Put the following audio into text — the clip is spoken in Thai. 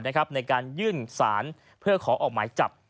ในการยื่นสารเพื่อขอออกหมายจับ